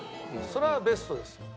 それはベストですよ。